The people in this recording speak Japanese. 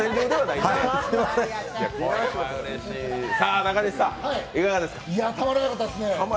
いや、たまらなかったですね